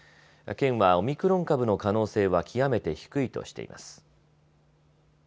県はオミクロン株の可能性は極めて低いとしています。